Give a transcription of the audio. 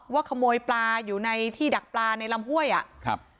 ว่าขโมยปลาอยู่ในที่ดักปลาในลำห้วยอะ